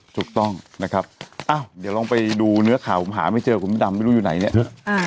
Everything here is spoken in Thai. ถูกต้องนะครับอ้าวเดี๋ยวลองไปดูเนื้อข่าวผมหาไม่เจอคุณดำไม่รู้อยู่ไหนเนี่ย